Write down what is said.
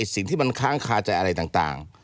สิ่งที่มันค้างคาใจอะไรต่าง